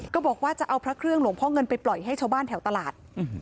ก็บอกว่าจะเอาพระเครื่องหลวงพ่อเงินไปปล่อยให้ชาวบ้านแถวตลาด